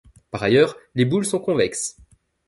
Par ailleurs, les boules sont convexes.